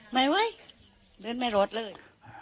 ไม่เว้ยเดินไม่รถเลย